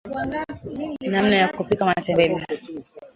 namna ya kupika matembele